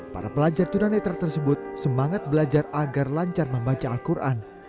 para pelajar tunanetra tersebut semangat belajar agar lancar membaca al quran